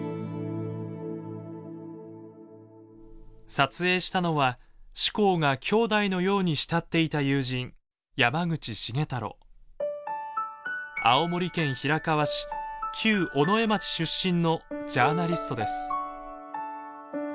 撮影したのは志功が兄弟のように慕っていた友人青森県平川市旧尾上町出身のジャーナリストです。